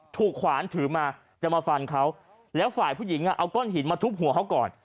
ขวานถือมาจะมาฟันเขาแล้วฝ่ายผู้หญิงเอาก้อนหินมาทุบหัวเขาก่อน